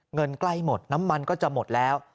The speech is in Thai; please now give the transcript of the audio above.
เงินใกล้หมดน้ำมันก็จะหมดแล้ว